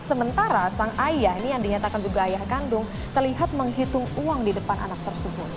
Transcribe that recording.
sementara sang ayah ini yang dinyatakan juga ayah kandung terlihat menghitung uang di depan anak tersebut